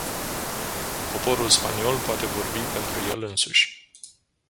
Poporul spaniol poate vorbi pentru el însuși.